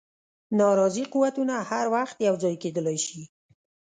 ناراضي قوتونه هر وخت یو ځای کېدلای شي.